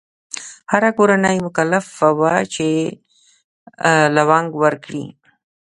هره کورنۍ مکلفه وه چې لونګ ورکړي.